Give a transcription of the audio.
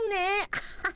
アハハ。